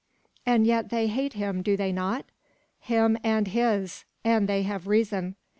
"And yet they hate him, do they not?" "Him and his. And they have reason."